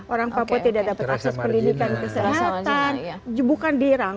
orang papua tidak dapat akses pendidikan